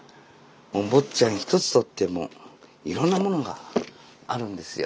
もう「坊っちゃん」一つとってもいろんなものがあるんですよ。